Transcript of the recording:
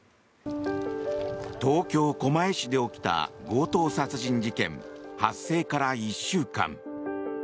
東京・狛江市で起きた強盗殺人事件、発生から１週間。